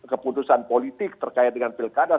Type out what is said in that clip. keputusan politik terkait dengan pilkada